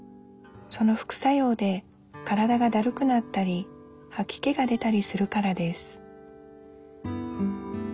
その副作用で体がだるくなったりはき気が出たりするからです